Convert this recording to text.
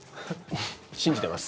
信じてます。